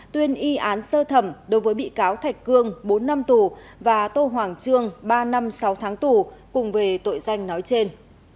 tuyên y án sơ thẩm đối với bị cáo thạch cương bốn năm tù và tô hoàng trương ba năm sáu tháng tù cùng về tội danh nói trên